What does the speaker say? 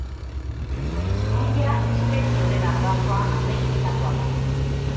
Kuia espezie honen arbasoa Ameriketakoa da.